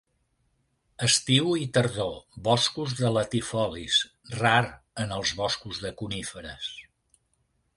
Estiu i tardor, boscos de latifolis, rar en els boscos de coníferes.